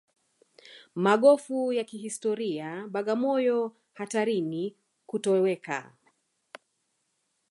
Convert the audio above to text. Magofu ya kihistoria Bagamoyo hatarini kutoweka